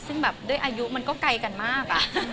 ซึ่งแบบด้วยอายุมันก็ไกลกันมาก